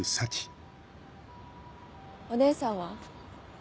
お姉さんは？